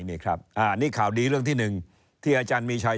นี่ข่าวดีเรื่องที่หนึ่งที่อาจารย์มีชัย